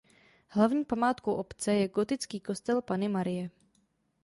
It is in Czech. Hlavní památkou obce je gotický kostel Panny Marie.